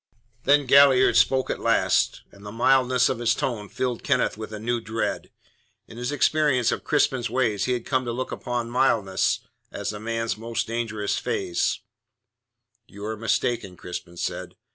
Then Galliard spoke at last, and the mildness of his tone filled Kenneth with a new dread. In his experience of Crispin's ways he had come to look upon mildness as the man's most dangerous phase: "You are mistaken," Crispin said.